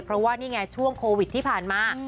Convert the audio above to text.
เพราะว่านี่ไงช่วงโควิดที่ผ่านมา